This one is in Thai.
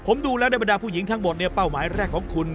ผมดูแล้วในบรรดาผู้หญิงทั้งหมดเนี่ยเป้าหมายแรกของคุณ